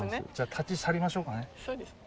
立ち去りましょう。